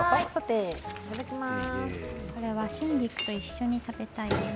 これは春菊と一緒に食べたいよね。